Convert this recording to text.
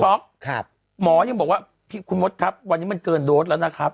หมอยังบอกว่าคุณมดครับวันนี้มันเกินโดสแล้วนะครับ